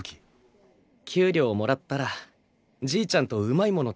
給料もらったらじいちゃんとうまいもの